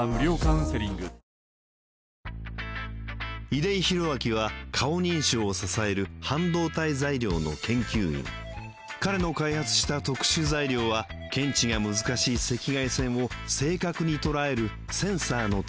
出井宏明は顔認証を支える半導体材料の研究員彼の開発した特殊材料は検知が難しい赤外線を正確に捉えるセンサーの誕生につながった